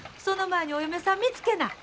その前にお嫁さん見つけな。